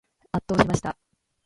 圧倒しました。